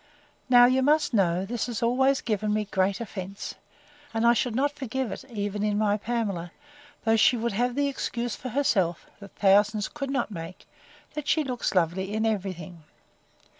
Now, you must know, this has always given me great offence; and I should not forgive it, even in my Pamela: though she would have this excuse for herself, that thousands could not make, That she looks lovely in every thing.